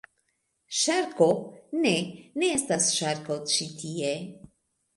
Ŝarko? Ne. Ne estas ŝarko ĉi tie!